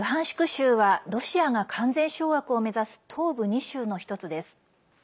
州はロシアが完全掌握を目指す東部２州の１つです。